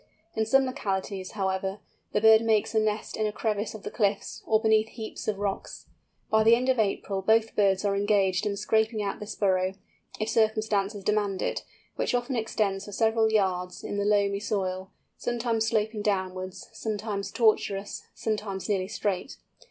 In some localities, however, the bird makes a nest in a crevice of the cliffs or beneath heaps of rocks. By the end of April both birds are engaged in scraping out this burrow, if circumstances demand it, which often extends for several yards in the loamy soil, sometimes sloping downwards, sometimes tortuous, sometimes nearly straight.